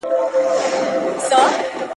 چي پيلان ساتې، دروازې به لوړي جوړوې.